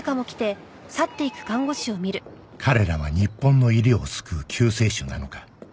彼らは日本の医療を救う救世主なのか？